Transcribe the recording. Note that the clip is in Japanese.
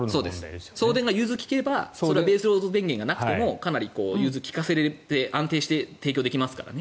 送電が融通が利けばベースロード電源がなくてもかなり融通が利かせられて安定して提供できますから。